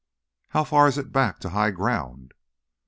"How far is it back to high ground?"